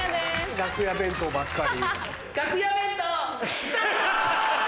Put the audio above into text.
楽屋弁当ばっかり。